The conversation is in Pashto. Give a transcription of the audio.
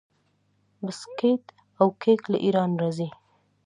بسکیټ او کیک له ایران راځي.